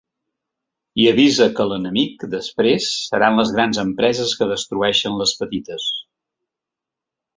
I avisa que l’enemic, després, seran les grans empreses que destrueixen les petites.